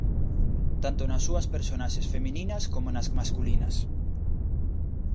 Tanto nas súas personaxes femininas como nas masculinas.